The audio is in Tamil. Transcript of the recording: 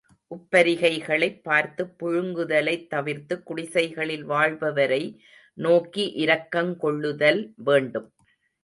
உப்பரிகைகளைப் பார்த்துப் புழுங்குதலைத் தவிர்த்து குடிசைகளில் வாழ்பவரை நோக்கி இரக்கங் கொள்ளுதல் வேண்டும்.